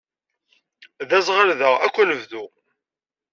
D aẓɣal da akk anebdu.